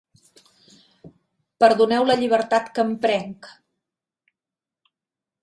Perdoneu la llibertat que em prenc.